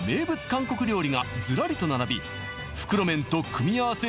韓国料理がずらりと並び袋麺と組み合わせ